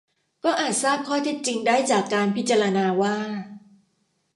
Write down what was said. ก็อาจทราบข้อเท็จจริงได้จากการพิจารณาว่า